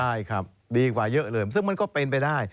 ใช่ครับดีกว่าเยอะเลยซึ่งมันก็เป็นไปได้